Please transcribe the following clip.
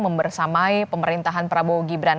membersamai pemerintahan prabowo gibran